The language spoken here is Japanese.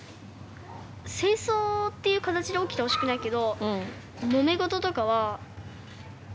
戦争っていう形で起きてほしくないけどもめ事とかはあっていいと思って。